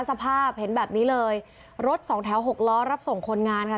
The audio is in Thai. สภาพเห็นแบบนี้เลยรถสองแถวหกล้อรับส่งคนงานค่ะ